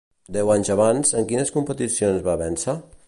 Deu anys abans, en quines competicions va vèncer?